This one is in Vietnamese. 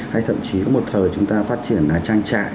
hay thậm chí có một thời chúng ta phát triển trang trại